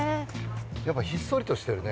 やっぱひっそりとしてるね。